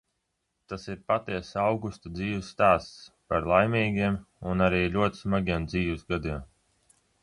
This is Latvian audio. Tas ir patiess Augusta dzīves stāsts par laimīgiem un arī ļoti smagiem dzīves gadiem.